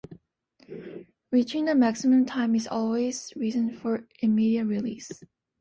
Reaching the maximum time is always reason for immediate release.